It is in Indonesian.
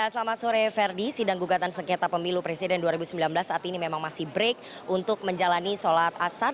selamat sore ferdi sidang gugatan sengketa pemilu presiden dua ribu sembilan belas saat ini memang masih break untuk menjalani sholat asar